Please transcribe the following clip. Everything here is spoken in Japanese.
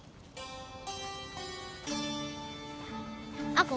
亜子